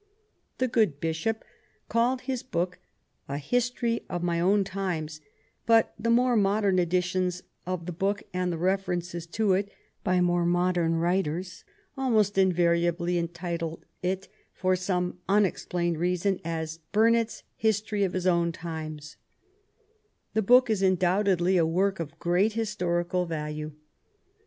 The good Bishop called his book a History of My Own Times, but the more modern editions of the book and the refer ences to it by more modern writers almost invariably entitle it for some unexplained reason Burnet's History of His Own Times, The book is undoubtedly a work of great historical value.